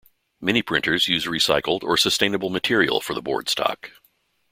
Many printers use recycled or sustainable material for the board stock.